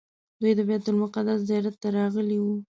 دوی د بیت المقدس زیارت ته راغلي وو.